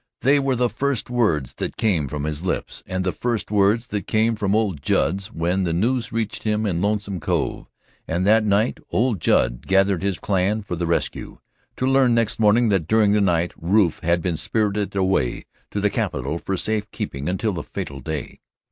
They were the first words that came from his lips, and the first words that came from old Judd's when the news reached him in Lonesome Cove, and that night old Judd gathered his clan for the rescue to learn next morning that during the night Rufe had been spirited away to the capital for safekeeping until the fatal day.